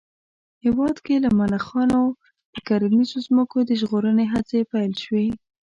هېواد کې له ملخانو د کرنیزو ځمکو د ژغورنې هڅې پيل شوې